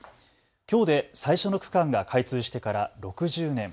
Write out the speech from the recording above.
きょうで最初の区間が開通してから６０年。